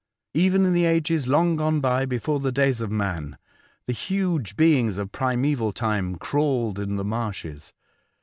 Even in the ages long gone by before the days of man, the huge beings of primeval time crawled in the marshes.